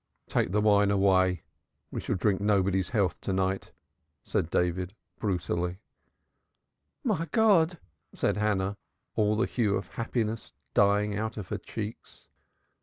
"Take away the wine we shall drink nobody's health to night," cried David brutally. "My God!" said Hannah, all the hue of happiness dying out of her cheeks.